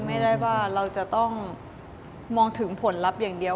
ไม่ได้ว่าเราจะต้องมองถึงผลลัพธ์อย่างเดียว